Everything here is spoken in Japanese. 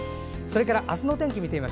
明日の天気です。